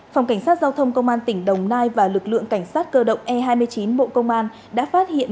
phòng cảnh sát giao thông công an tỉnh đồng nai và lực lượng cảnh sát cơ động e hai mươi chín bộ công an đã phát hiện